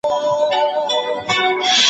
دوی دي په مځکه کي وګرځي.